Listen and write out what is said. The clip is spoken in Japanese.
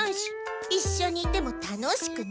いっしょにいても楽しくない。